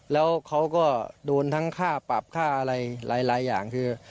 แล้วเขาก็โดนทั้งค่าปรับค่าอะไรหลายอย่างคือ